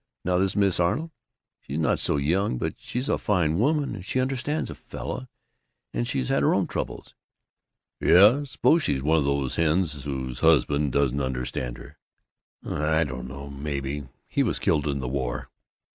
Now this Mrs. Arnold, she's not so young, but she's a fine woman and she understands a fellow, and she's had her own troubles." "Yea! I suppose she's one of these hens whose husband 'doesn't understand her'!" "I don't know. Maybe. He was killed in the war."